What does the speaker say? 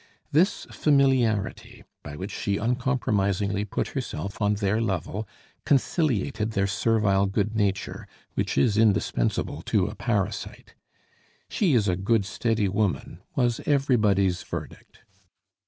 This familiarity, by which she uncompromisingly put herself on their level, conciliated their servile good nature, which is indispensable to a parasite. "She is a good, steady woman," was everybody's verdict.